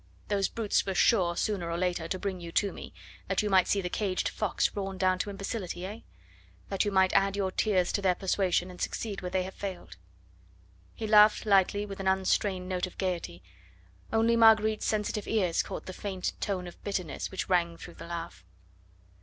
Those brutes were sure, sooner or later, to bring you to me, that you might see the caged fox worn down to imbecility, eh? That you might add your tears to their persuasion, and succeed where they have failed." He laughed lightly with an unstrained note of gaiety, only Marguerite's sensitive ears caught the faint tone of bitterness which rang through the laugh.